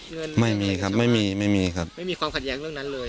เงินไม่มีครับไม่มีไม่มีครับไม่มีความขัดแย้งเรื่องนั้นเลย